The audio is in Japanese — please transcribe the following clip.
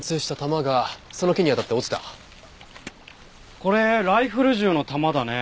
これライフル銃の弾だね。